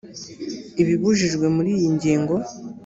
ibibujijwe muri iyi ngingo